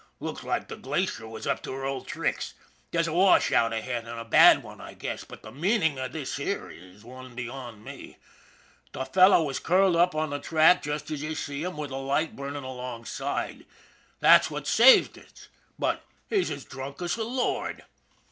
" Looks like the Glacier was up to her old tricks. There's a washout ahead, and a bad one, I guess. But the meaning of this here is one beyond me. The fellow was curled up on the track just as you see him with the light burning alongside, that's what saved us, but he's as drunk as a lord."